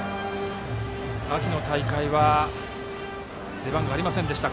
秋の大会は出番がありませんでした。